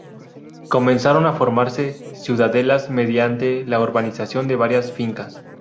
Comenzaron a formarse ciudadelas, mediante la urbanización de varias fincas.